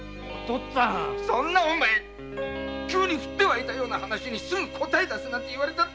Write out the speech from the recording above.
そんなお前急に降ってわいたような話にすぐ答え出せと言われたって。